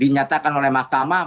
dinyatakan oleh makamah